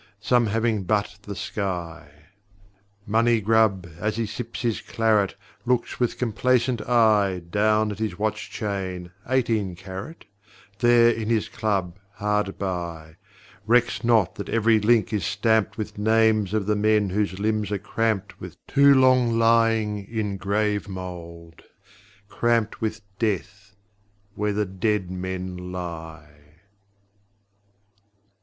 Some having but the sky. Moncygrub, as he sips his claret, Looks with complacent eye Down at his watch chain, eighteen carat There, in his club, hard by: Recks not that every link is stamped with Names of the men whose limbs are cramped with Too long lying in grave mould, cramped with Death where the dead men lie.